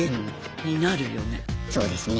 そうですね。